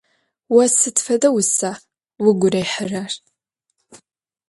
Vo sıd fede vusa vugu rihırer?